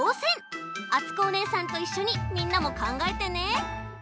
あつこおねえさんといっしょにみんなもかんがえてね！